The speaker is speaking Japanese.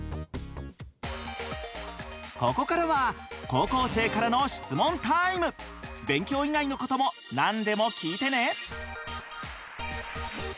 ここからは高校生からの勉強以外のことも何でも聞いてね！